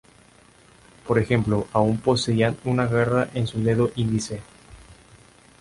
Por ejemplo, aún poseían una garra en su dedo índice.